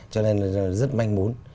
cho nên rất manh muốn